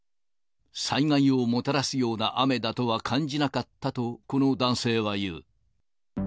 災害をもたらすような雨だとは感じなかったと、この男性は言う。